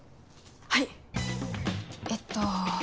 はいえっと。